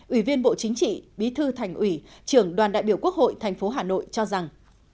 ủy viên bộ chính trị bí thư thành ủy trưởng đoàn đại biểu quốc hội tp hà nội cho rằng